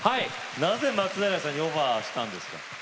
なぜ松平さんにオファーしたんですか？